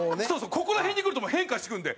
ここら辺にくるともう変化してくるんで。